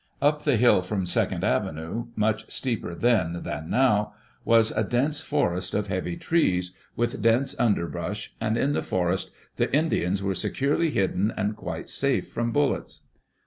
Up the hill from Second Avenue, much steeper then than now, was a dense forest of heavy trees, with dense underbrush, and in the forest the Indians were securely hidden and quite safe from bullets.